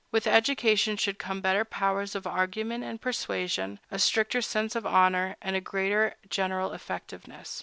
With education should come better powers of argument and persuasion, a stricter sense of honor, and a greater general effectiveness.